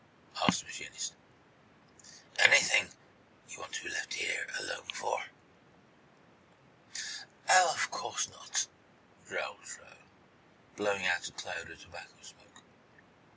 asked the machinist. "Anything you want to be left alone here for?" "Oh, of course not," drawled Truax, blowing out a cloud of tobacco smoke.